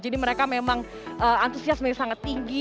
jadi mereka memang antusias menurut saya sangat tinggi